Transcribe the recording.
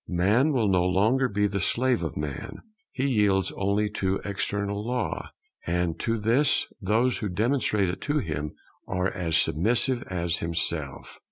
Man will no longer be the slave of man; he yields only to external Law; and to this those who demonstrate it to him are as submissive as himself.